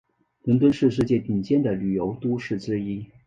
伦敦是世界顶尖的旅游都市之一。